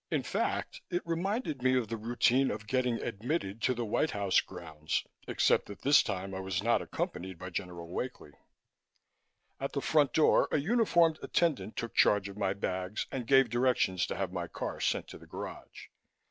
In fact, it reminded me of the routine of getting admitted to the White House grounds, except that this time I was not accompanied by General Wakely. At the front door, a uniformed attendant took charge of my bags and gave directions to have my car sent to the garage.